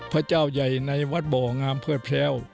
พระเจ้าใหญ่ในวัดบ่องามเพิดแพลว